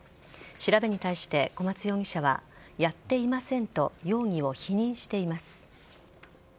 調べに対して小松容疑者はやっていませんと容疑を否認しています。